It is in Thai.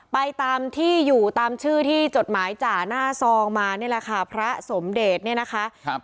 ไปตามที่อยู่ตามชื่อที่จดหมายจ่าหน้าซองมานี่แหละค่ะพระสมเดชเนี่ยนะคะครับ